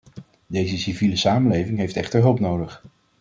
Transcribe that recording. Deze civiele samenleving heeft echter hulp nodig.